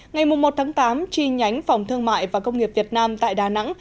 ngày một tháng tám chi nhánh phòng thương mại và công nghiệp việt nam tại đà nẵng